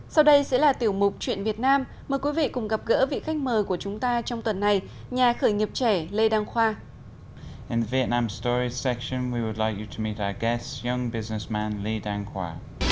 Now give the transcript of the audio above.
sau đây sẽ là tiểu mục chuyện việt nam mời quý vị cùng gặp gỡ vị khách mời của chúng ta trong tuần này nhà khởi nghiệp trẻ lê đăng khoa